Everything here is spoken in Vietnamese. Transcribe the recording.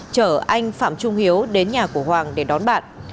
chở anh phạm trung hiếu đến nhà của hoàng để đón bạn